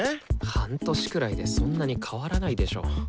半年くらいでそんなに変わらないでしょ。